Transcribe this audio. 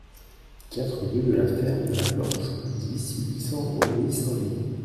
quatre rue de la Ferme de la Planche, dix, huit cents, Rouilly-Saint-Loup